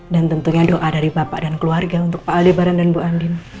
dan tentunya doa dari bapak dan keluarga untuk pak aldebaran dan ibu andin